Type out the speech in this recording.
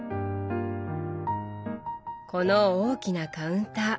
この大きなカウンター。